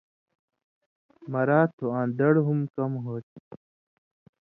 مرا تُھو آں دڑ ہم کم ہوتھی۔